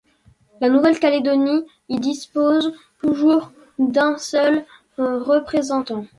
La Nouvelle-Calédonie y dispose toujours d'un seul représentant.